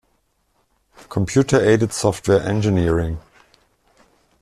Computer Aided Software Engineering